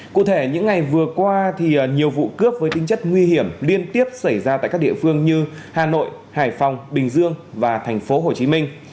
cụ thể những ngày vừa qua nhiều vụ cướp với tinh chất nguy hiểm liên tiếp xảy ra tại các địa phương như hà nội hải phòng bình dương và thành phố hồ chí minh